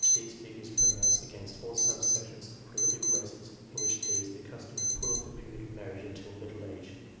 NATURAL ABILITY OF NATIONS 343 these figures pronounce against all sub sections of prolific races in which it is the custom to put off the period of marriage until middle age.